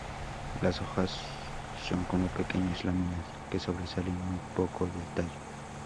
Las hojas son como pequeñas laminas, que sobresalen muy poco del tallo.